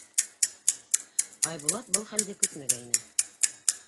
Айбулат был хәлде көтмәгәйне.